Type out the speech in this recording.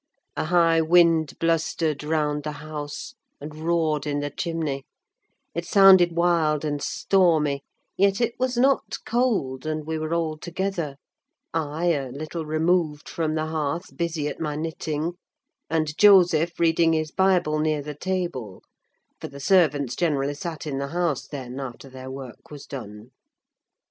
A high wind blustered round the house, and roared in the chimney: it sounded wild and stormy, yet it was not cold, and we were all together—I, a little removed from the hearth, busy at my knitting, and Joseph reading his Bible near the table (for the servants generally sat in the house then, after their work was done).